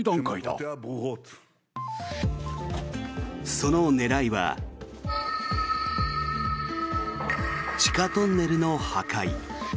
その狙いは地下トンネルの破壊。